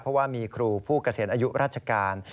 เพราะว่ามีครูผู้เกษียณอายุราชการ